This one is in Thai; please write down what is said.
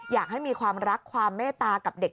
อยากให้มีความรักความเมตตากับเด็ก